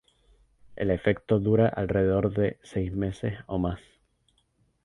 El efecto dura alrededor de seis meses o más.